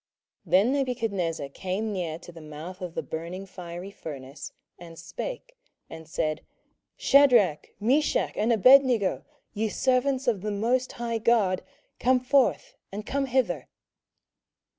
27:003:026 Then Nebuchadnezzar came near to the mouth of the burning fiery furnace, and spake, and said, Shadrach, Meshach, and Abednego, ye servants of the most high God, come forth, and come hither.